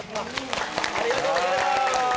ありがとうございます。